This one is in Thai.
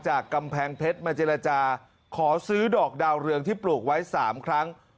กำแพงเพชรมาเจรจาขอซื้อดอกดาวเรืองที่ปลูกไว้๓ครั้ง